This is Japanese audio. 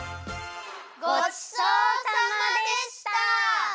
ごちそうさまでした！